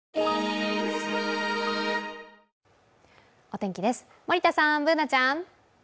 お天気です、森田さん、Ｂｏｏｎａちゃん。